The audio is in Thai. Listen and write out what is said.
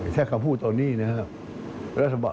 แค่คำพูดตอนนี้นะครับ